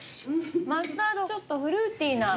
マスタードちょっとフルーティーな。